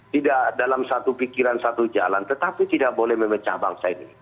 tidak dalam satu pikiran satu jalan tetapi tidak boleh memecah bangsa ini